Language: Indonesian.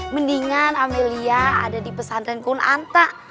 mendingan amelia ada di pesantren kunanta